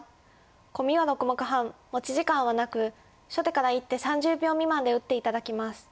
コミは６目半持ち時間はなく初手から１手３０秒未満で打って頂きます。